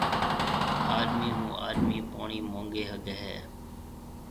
آڏمِي هون آڏمِي پوڻِي مونگي هگهي هيَ۔